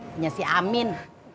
punya si amin